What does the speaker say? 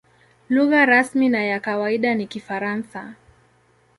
Lugha rasmi na ya kawaida ni Kifaransa.